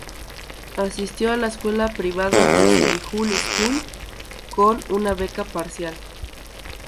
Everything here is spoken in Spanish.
Asistió a la escuela privada Solihull School con una beca parcial.